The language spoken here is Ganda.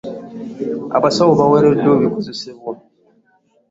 Abasawo baweereddwa ebikozesebwa.